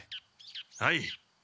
はい。